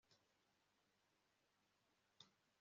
nzagushimire ubudahemuka bwawe